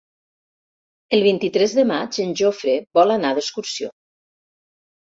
El vint-i-tres de maig en Jofre vol anar d'excursió.